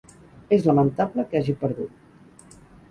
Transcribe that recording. És lamentable que hagi perdut.